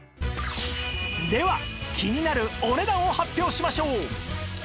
では気になるお値段を発表しましょう！